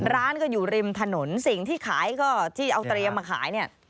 ร้านก็อยู่ริมถนนสิ่งที่เอาเตรียมมาขาย